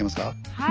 はい。